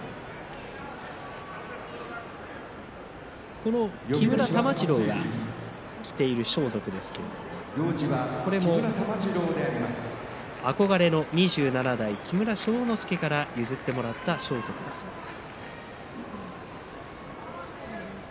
この木村玉治郎が着ている装束ですけれどこれも憧れの２７代木村庄之助から譲ってもらった装束だそうです。